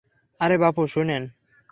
আরে বাপু, শুনেন।